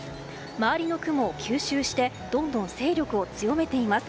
周りの雲を吸収してどんどん勢力を強めています。